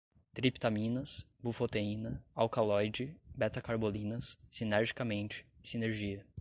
triptaminas, bufoteína, alcaloide, betacarbolinas, sinergicamente, sinergia